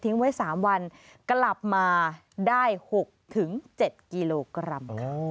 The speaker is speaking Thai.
ไว้๓วันกลับมาได้๖๗กิโลกรัมค่ะ